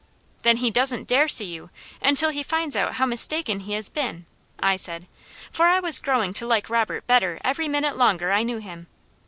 "Then he doesn't dare see you until he finds out how mistaken he has been," I said, for I was growing to like Robert better every minute longer I knew him.